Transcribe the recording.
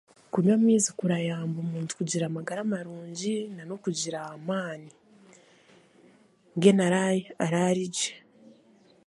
kunywa amaizi kirayamba omuntu kugira amagara marungi, n'okugira amaani, mbwenu araba arigye.